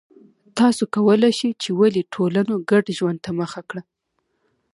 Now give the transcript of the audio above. تاسو کولای شئ چې ولې ټولنو ګډ ژوند ته مخه کړه